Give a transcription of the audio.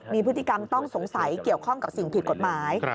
มีพฤติกรรมต้องสงสัยเกี่ยวข้องกับสิ่งผิดกฎหมาย